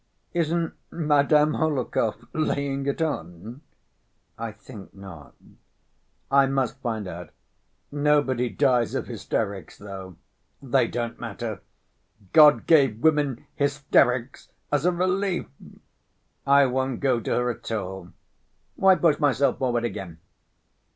"Isn't Madame Hohlakov laying it on?" "I think not." "I must find out. Nobody dies of hysterics, though. They don't matter. God gave woman hysterics as a relief. I won't go to her at all. Why push myself forward again?"